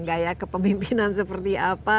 gaya kepemimpinan seperti apa